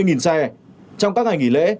trong các ngày nghỉ lễ